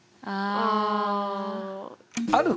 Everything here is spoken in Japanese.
ああ。